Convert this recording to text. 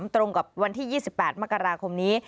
ตรงกับวันที่๒๘มกราคมนี้